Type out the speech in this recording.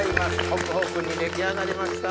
ホクホク煮出来上がりました。